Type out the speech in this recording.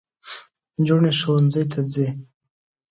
نجوني ښوونځۍ ته ځي